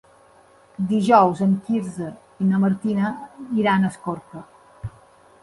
Dijous en Quirze i na Martina iran a Escorca.